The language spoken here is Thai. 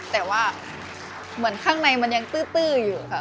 แต่ว่าเหมือนข้างในมันยังตื้ออยู่ค่ะ